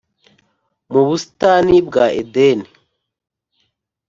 mu busitani bwa edeni.